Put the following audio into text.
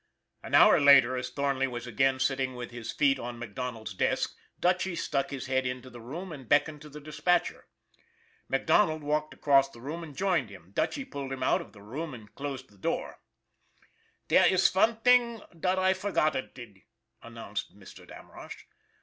An hour later, as Thornley was again sitting with his feet on MacDonald's desk, Dutchy stuck his head into the room and beckoned to the dispatcher. Mac Donald walked across the floor and joined him. Dutchy pulled him out of the room and closed the door. " Dere iss one thing dot I forgotted did," announced Mr. Damrosch.